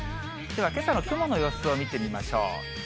では、けさの雲の様子を見てみましょう。